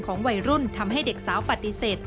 วัยรุ่นทำให้เด็กสาวปฏิเสธ